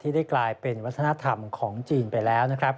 ได้กลายเป็นวัฒนธรรมของจีนไปแล้วนะครับ